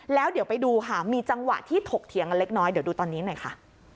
แล้วเดี๋ยวไปดูค่ะมีจังหวะที่ถกเถียงกันเล็กน้อยเดี๋ยวดูตอนนี้หน่อยค่ะ